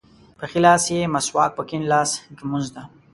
په ښي لاس یې مسواک په کیڼ لاس ږمونځ ده.